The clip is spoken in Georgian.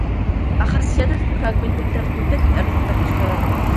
ახასიათებს ფრაგმენტული დარტყმები და გიტარის მძაფრი ჟღერადობა.